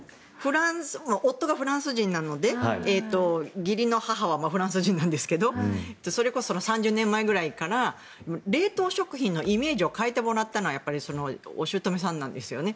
夫がフランス人なので義理の母はフランス人なんですがそれこそ３０年くらい前から冷凍食品のイメージを変えてもらったのはお姑さんなんですよね。